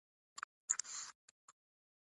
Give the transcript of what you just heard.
ویل کېږي یو ځل حضرت عمر ته ویل شوي و.